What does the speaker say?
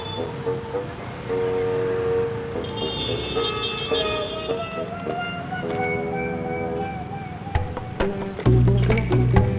sampai jumpa lagi